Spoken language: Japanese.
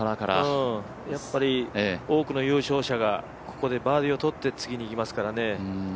やっぱり多くの優勝者がここでバーディーをとって次にいきますからね。